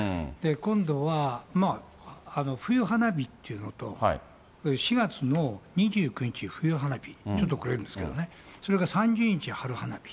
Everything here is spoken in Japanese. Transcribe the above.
今度は、冬花火っていうのと、４月の２９日、冬花火、ちょっと遅れるんですけどね、それから３０日、春花火。